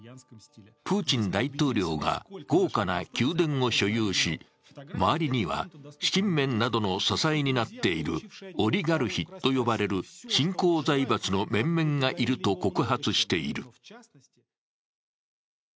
プーチン大統領が豪華な宮殿を所有し、周りには資金面などの支えになっているオリガルヒと呼ばれる新興財閥の面々がいると告発している。